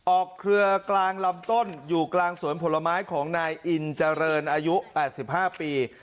เครือกลางลำต้นอยู่กลางสวนผลไม้ของนายอินเจริญอายุ๘๕ปี